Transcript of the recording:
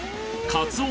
カツオ？